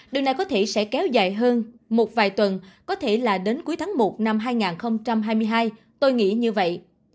điều này có thể sẽ kéo dài hơn một vài tuần có thể là đến cuối tháng một năm hai nghìn hai mươi hai tôi nghĩ như vậy